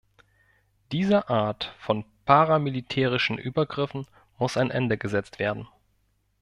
Dieser Art von paramilitärischen Übergriffen muss ein Ende gesetzt werden.